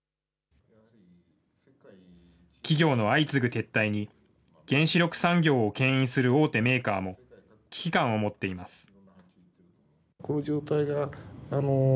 企業の相次ぐ撤退に、原子力産業をけん引する大手メーカーも、危機感を持っています。